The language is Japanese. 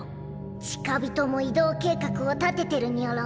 チカビトも移動計画を立ててるニョロ。